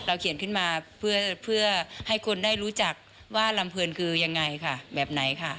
เขียนขึ้นมาเพื่อให้คนได้รู้จักว่าลำเพลินคือยังไงค่ะแบบไหนค่ะ